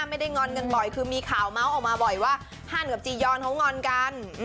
งอนกันบ่อยคือมีข่าวเมาส์ออกมาบ่อยว่าฮันกับจียอนเขางอนกัน